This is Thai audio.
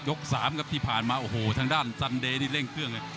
สามครับที่ผ่านมาโอ้โหทางด้านซันเดย์นี่เร่งเครื่องเลย